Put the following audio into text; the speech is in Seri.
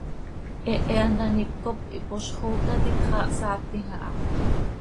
Hehe hant haníp cop ihpozxócatim, xaa hsaactim aha.